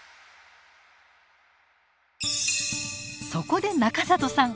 そこで中里さん